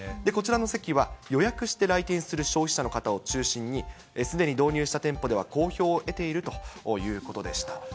こちらの席は予約して来店する消費者の方を中心に、すでに導入した店舗では好評を得ているということでした。